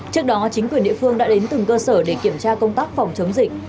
trước đó chính quyền địa phương đã đến từng cơ sở để kiểm tra công tác phòng chống dịch